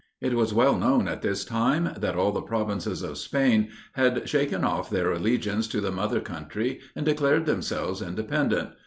It was well known, at this time, that all the provinces of Spain had shaken off their allegiance to the mother country, and declared themselves independent.